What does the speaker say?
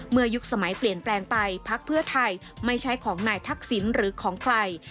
ยุคสมัยเปลี่ยนแปลงไปพักเพื่อไทยไม่ใช่ของนายทักษิณหรือของใคร